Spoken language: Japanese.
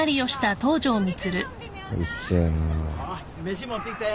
飯持ってきたよ。